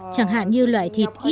chẳng hạn như loại thịt ít acid amine